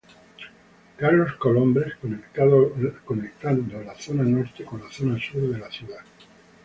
Carlos Colombres, conectando la zona norte, con la zona sur de la ciudad.